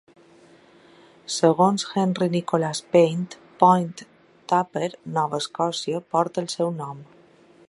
Segons Henry Nicholas Paint, Point Tupper, Nova Escòcia, porta el seu nom.